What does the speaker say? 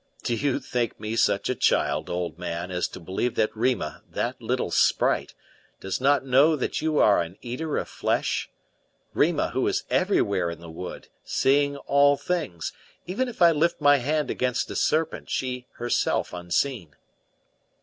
"Do you think me such a child, old man, as to believe that Rima, that little sprite, does not know that you are an eater of flesh? Rima, who is everywhere in the wood, seeing all things, even if I lift my hand against a serpent, she herself unseen."